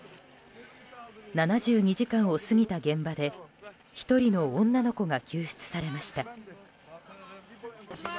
７２時間を過ぎた現場で１人の女の子が救出されました。